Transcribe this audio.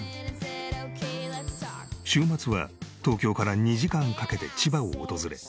週末は東京から２時間かけて千葉を訪れ